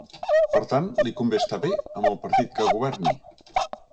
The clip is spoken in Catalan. Per tant, li convé estar bé amb el partit que governi?